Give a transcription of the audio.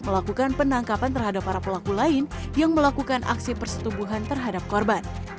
melakukan penangkapan terhadap para pelaku lain yang melakukan aksi persetubuhan terhadap korban